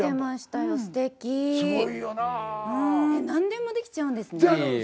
何でもできちゃうんですね。